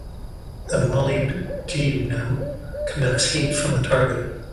The molybdenum conducts heat from the target.